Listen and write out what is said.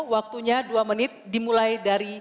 waktunya dua menit dimulai dari